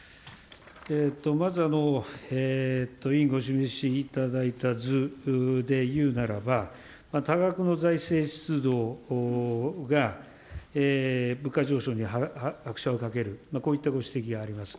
まず、委員お示しいただいた図で言うならば、多額の財政出動が物価上昇に拍車をかける、こういったご指摘があります。